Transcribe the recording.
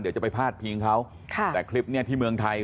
เดี๋ยวจะไปพาดพิงเขาค่ะแต่คลิปนี้ที่เมืองไทย